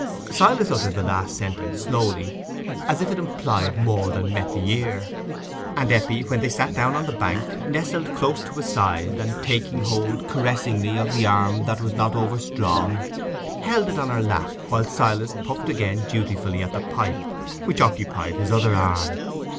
Silas uttered the last sentence slowly, as if it implied more than met the ear; and Eppie, when they sat down on the bank, nestled close to his side, and, taking hold caressingly of the arm that was not over strong, held it on her lap, while Silas puffed again dutifully at the pipe, which occupied his other arm.